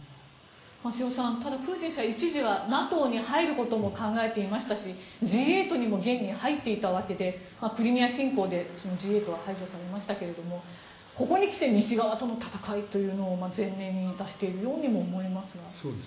瀬尾さん、プーチン氏は一時はＮＡＴＯに入ることも考えていましたしＧ８にも現に入っていたわけでクリミア侵攻でＧ８は排除されましたけどここにきて西側との戦いというのを前面に出しているようにも思えますが。